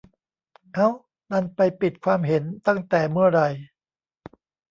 เอ๊า ดันไปปิดความเห็นตั้งแต่เมื่อไหร่